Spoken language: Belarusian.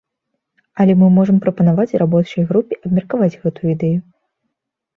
Але мы можам прапанаваць рабочай групе абмеркаваць гэтую ідэю.